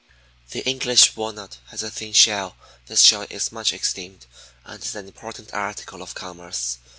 1. The English walnut (Inglandaceæ) has a thin shell. This nut is much esteemed and is an important article of commerce.